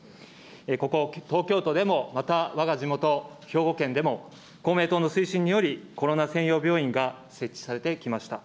ここ東京都でも、またわが地元兵庫県でも、公明党の推進により、コロナ専用病院が設置されてきました。